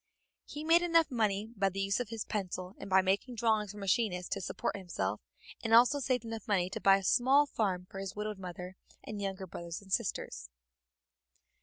He made enough money by the use of his pencil and by making drawings for machinists to support himself, and also saved enough money to buy a small farm for his widowed mother and younger brothers and sisters.